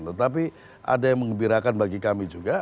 tetapi ada yang mengembirakan bagi kami juga